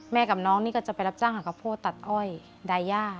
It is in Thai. แม่กับน้องนี้ก็จะไปรับจ้างหากะโพดตัดอ้อยไดย่า